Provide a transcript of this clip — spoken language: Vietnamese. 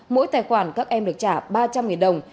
mỗi tài khoản các em được trả ba triệu đồng